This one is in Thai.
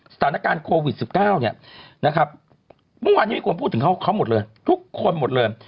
สถานการณ์โควิด๑๙เนี่ยนะครับเมื่อวานนี้มีคนพูดถึงเขาหมดเลยทุกคนหมดเลย